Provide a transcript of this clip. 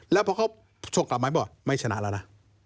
แล้วพอเขาชกกลับมาบอดไม่ชนะแล้วนะ